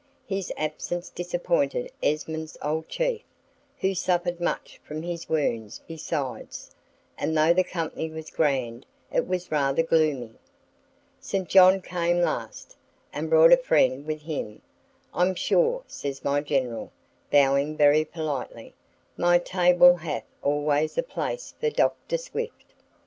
His absence disappointed Esmond's old chief, who suffered much from his wounds besides; and though the company was grand, it was rather gloomy. St. John came last, and brought a friend with him: "I'm sure," says my General, bowing very politely, "my table hath always a place for Dr. Swift."